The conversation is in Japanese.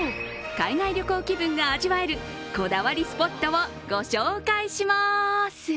海外旅行気分が味わえるこだわりスポットをご紹介します！